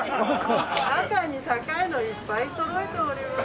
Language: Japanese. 中に高いのいっぱいそろえております。